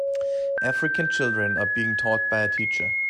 African children are being taught by a teacher.